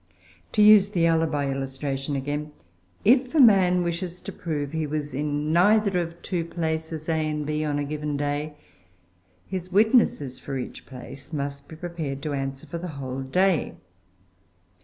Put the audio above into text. To use the alibi illustration again. If a man wishes to prove he was in neither of two places, A and B, on a given day, his witnesses for each place must be prepared to answer for the whole day.